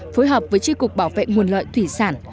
phối hợp với tri cục bảo vệ nguồn lợi thủy sản